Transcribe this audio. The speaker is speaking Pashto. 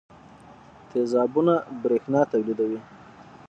تیزابونه برېښنا تولیدوي.